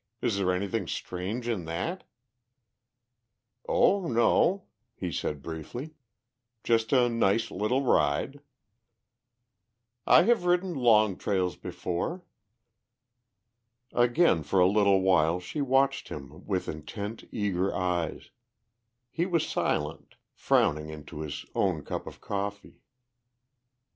Is there anything strange in that?" "Oh, no!" he said briefly. "Just a nice little ride!" "I have ridden long trails before." Again for a little while she watched him with intent, eager eyes; he was silent, frowning into his own cup of coffee.